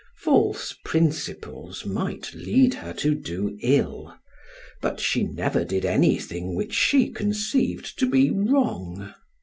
False principles might lead her to do ill, but she never did anything which she conceived to be wrong.